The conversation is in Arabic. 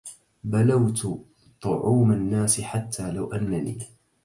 بلوت طعوم الناس حتى لو انني